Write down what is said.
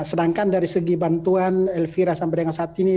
sedangkan dari segi bantuan elvira sampai dengan saat ini